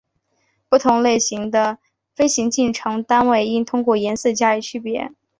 不同类型的飞行进程单应通过颜色加以区别。